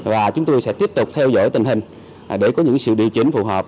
và chúng tôi sẽ tiếp tục theo dõi tình hình để có những sự điều chỉnh phù hợp